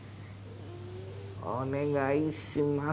おねがいします。